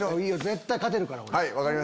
いいよ絶対勝てるから。